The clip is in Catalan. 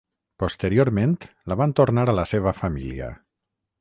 Posteriorment, la van tornar a la seva família.